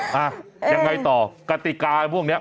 ยังไงต่อกติกาพวกนี้